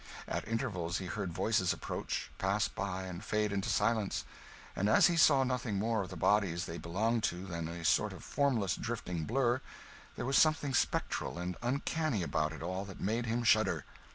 At intervals he heard voices approach, pass by, and fade into silence; and as he saw nothing more of the bodies they belonged to than a sort of formless drifting blur, there was something spectral and uncanny about it all that made him shudder.